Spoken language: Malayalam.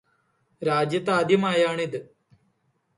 രാജ്യത്താദ്യമായാണ് ഇത്.